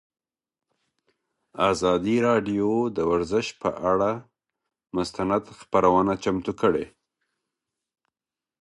ازادي راډیو د ورزش پر اړه مستند خپرونه چمتو کړې.